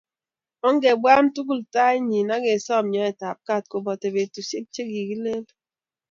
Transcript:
Ongebwaa tukul tait nyin akesom nyoet ab kaat kobata betushek che kikilel